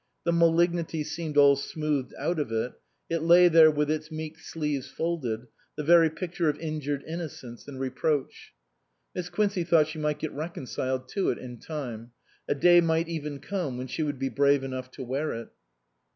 The malignity seemed all smoothed out of it ; it lay there with its meek sleeves folded, the very picture of injured innocence and reproach. Miss Quincey thought she might get reconciled to it in time. A day might even come when she would be brave enough to wear it.